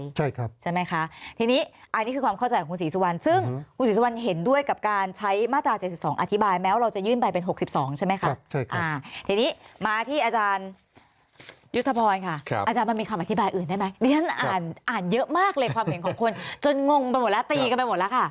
ดิฉันอ่านเยอะมากเลยความเห็นของคนจนงงไปหมดแล้วตีกลายไปหมดแล้วค่ะ